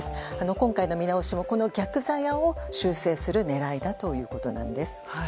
今回の見直しもこの逆ザヤを修正する狙いだということなんです。